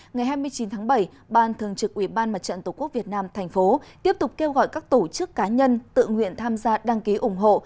ngày hai mươi chín tháng bảy ban thường trực ubnd tqvn tp tiếp tục kêu gọi các tổ chức cá nhân tự nguyện tham gia đăng ký ủng hộ